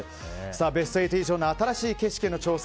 ベスト８以上への新しい景色への挑戦